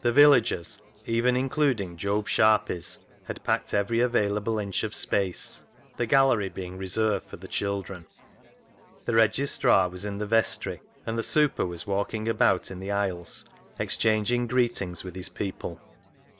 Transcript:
The villagers, even including Job Sharpies, had packed every available inch of space, the gallery being reserved for the children. The registrar was in the vestry, and the " super " was walking about in the aisles exchanging greetings with his people.